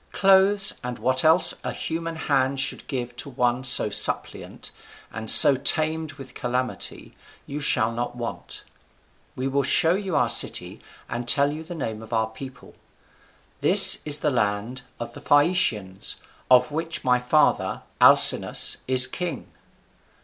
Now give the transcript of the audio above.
Clothes and what else a human hand should give to one so suppliant, and so tamed with calamity, you shall not want. We will show you our city and tell you the name of our people. This is the land of the Phaeacians, of which my father, Alcinous, is king."